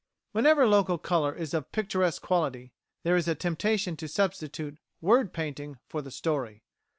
Whenever local colour is of picturesque quality there is a temptation to substitute "word painting" for the story.